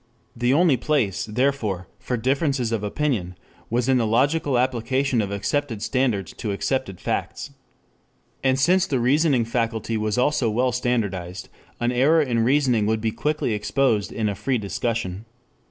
The only place, therefore, for differences of opinion was in the logical application of accepted standards to accepted facts. And since the reasoning faculty was also well standardized, an error in reasoning would be quickly exposed in a free discussion.